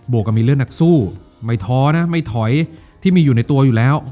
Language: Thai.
วกกับมีเรื่องนักสู้ไม่ท้อนะไม่ถอยที่มีอยู่ในตัวอยู่แล้ว